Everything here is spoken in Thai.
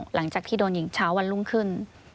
หลังจากที่โดนยิงเช้าวันรุ่งขึ้น